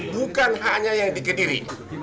bukan hanya yang dikediri